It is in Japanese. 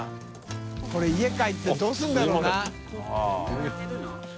これ家帰ってどうするんだろうな？